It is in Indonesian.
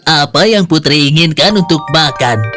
apa yang putri inginkan untuk makan